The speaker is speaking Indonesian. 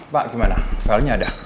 pak gimana filenya ada